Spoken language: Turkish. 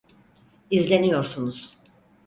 İzleniyorsunuz.